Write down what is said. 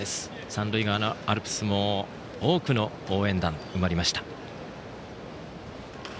三塁側のアルプスも多くの応援団が集まりました。